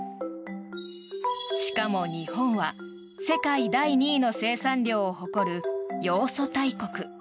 しかも日本は世界第２位の生産量を誇るヨウ素大国。